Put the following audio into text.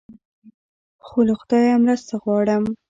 خو له خدایه مرسته غواړم.